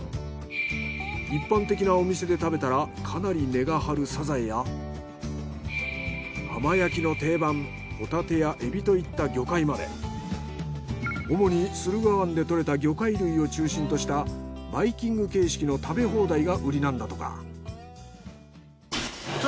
一般的なお店で食べたらかなり値が張るサザエや浜焼きの定番ホタテやエビといった魚介までおもに駿河湾で獲れた魚介類を中心としたバイキング形式の食べ放題がウリなんだとか。